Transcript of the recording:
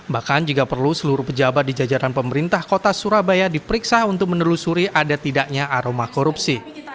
bahkan jika perlu seluruh pejabat di jajaran pemerintah kota surabaya diperiksa untuk menelusuri ada tidaknya aroma korupsi